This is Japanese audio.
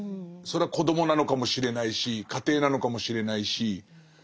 それは子どもなのかもしれないし家庭なのかもしれないし。